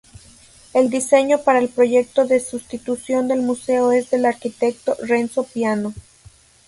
El diseño para el proyecto de sustitución del museo es del arquitecto Renzo Piano.